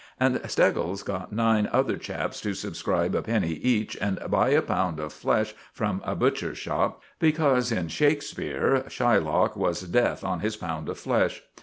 And Steggles got nine other chaps to subscribe a penny each and buy a pound of flesh from a butcher's shop, because in Shakespeare Shylock was death on his pound of flesh.